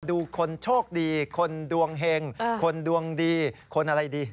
ดูคนโชคดีคนดวงเห็งคนดวงดีคนอะไรดี